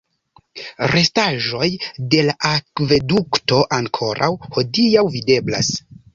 Restaĵoj de la akvedukto ankoraŭ hodiaŭ videblas.